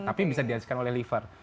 tapi bisa dihasilkan oleh liver